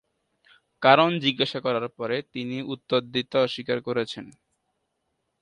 কারণ জিজ্ঞাসা করার পরে, তিনি উত্তর দিতে অস্বীকার করেছেন।